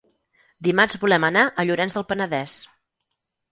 Dimarts volem anar a Llorenç del Penedès.